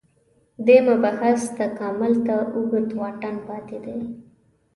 دې مبحث تکامل ته اوږد واټن پاتې دی